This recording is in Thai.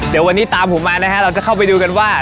เดี๋ยววันนี้ตามผมมานะฮะเราจะเข้าไปดูกันว่า